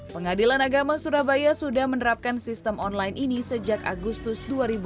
pengadilan agama surabaya sudah menerapkan sistem online ini sejak agustus dua ribu dua puluh